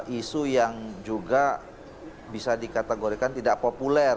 isu yang juga bisa dikategorikan tidak populer